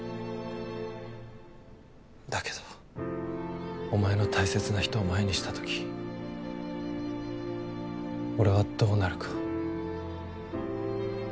だけどおまえの大切な人を前にした時俺はどうなるか。